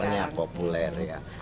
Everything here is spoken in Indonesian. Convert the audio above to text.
pasarnya populer ya